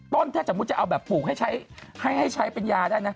ถ้าสมมุติจะเอาแบบปลูกให้ใช้เป็นยาได้นะ